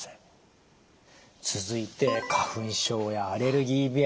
続いて花粉症やアレルギー鼻炎。